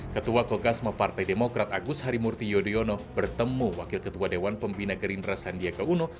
ketua kogasma partai demokrat agus harimurti yudhoyono bertemu wakil ketua dewan pembina gerindra sandiaga uno